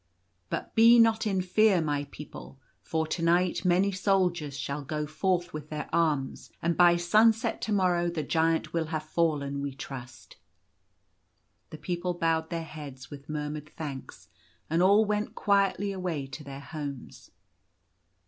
But be not in fear, my people, for to night many soldiers shall go forth with their arms, and by sunset to morrow the Giant will have fallen, we trust." The people bowed their heads with murmured thanks, and all went quietly away to their homes.